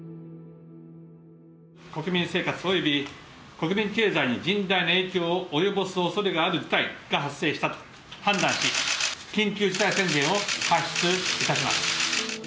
国民生活および国民経済に甚大な影響を及ぼすおそれがある事態が発生したと判断し緊急事態宣言を発出いたします。